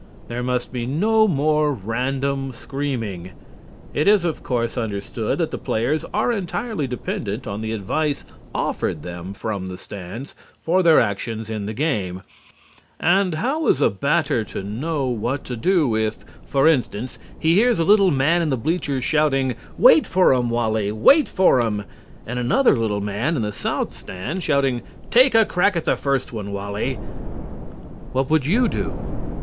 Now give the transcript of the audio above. There must be no more random screaming. It is of course understood that the players are entirely dependent on the advice offered them from the stands for their actions in the game, and how is a batter to know what to do if, for instance, he hears a little man in the bleachers shouting, "Wait for 'em, Wally! Wait for 'em," and another little man in the south stand shouting "Take a crack at the first one, Wally!"? What would you do?